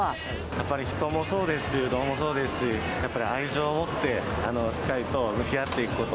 やっぱり人もそうですしうどんもそうですし愛情を持ってしっかりと向き合っていくこと。